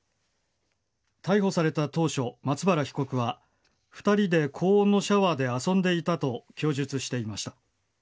逮捕された当初、松原被告は２人で高温のシャワーで遊んでいたと供述していました。